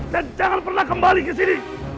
dan jangan pertama kembali ke sini